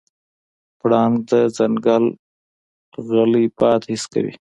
پړانګ د ځنګل غلی باد حس کوي.